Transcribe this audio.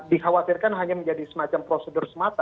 dikhawatirkan hanya menjadi semacam prosedur semata